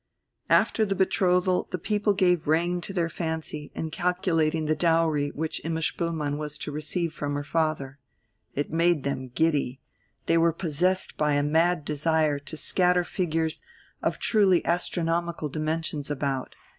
After the betrothal the people gave rein to their fancy in calculating the dowry which Imma Spoelmann was to receive from her father. It made them giddy; they were possessed by a mad desire to scatter figures of truly astronomical dimensions about.